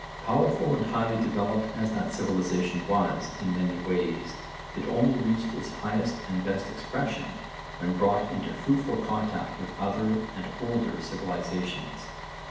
Powerful and highly developed as that civilisation was in many ways, it only reached its highest and best expression when brought into fruitful contact with other and older civilisations.